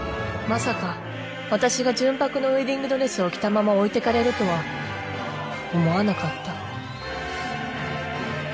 まさか私が純白のウエディングドレスを着たまま置いてかれるとは思わなかった